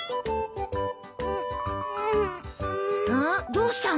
どうしたの？